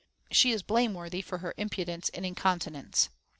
* she is blameworthy for her impudence and incontinence.